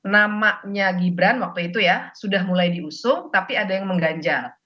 namanya gibran waktu itu ya sudah mulai diusung tapi ada yang mengganjal